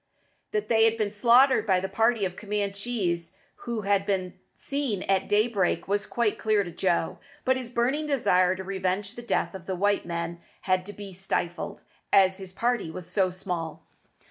That they had been slaughtered by the party of Camanchees who had been seen at daybreak was quite clear to Joe; but his burning desire to revenge the death of the white men had to be stifled, as his party was so small.